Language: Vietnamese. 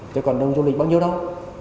chứ còn đông du lịch bao nhiêu đâu